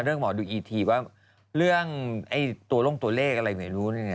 เรื่องหมอดูอีทีว่าเรื่องตัวลงตัวเลขอะไรอยู่ไหนรู้